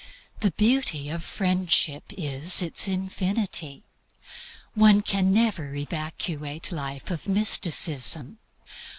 The beauty of Friendship is its infinity. One can never evacuate life of mysticism.